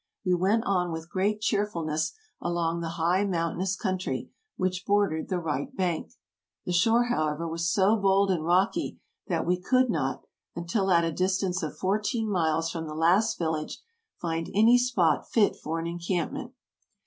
We went on with great cheerfulness along the high mountainous country which bordered the right bank; the shore, however, was so bold and rocky that we could not, until at a distance of fourteen miles from the last village, find any spot fit for an encamp ment.